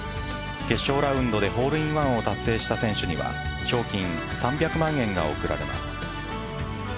決勝ラウンドでホールインワンを達成した選手には賞金３００万円が贈られます。